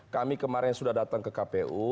kami kemarin sudah datang ke kpu